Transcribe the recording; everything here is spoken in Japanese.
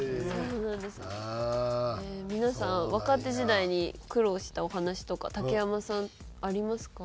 皆さん若手時代に苦労したお話とか竹山さんありますか？